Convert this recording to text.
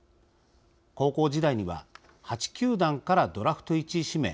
高校時代には８球団からドラフト１位指名